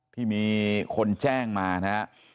ที่มีคนแจ้งมานะฮะ